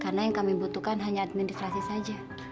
karena yang kami butuhkan hanya administrasi saja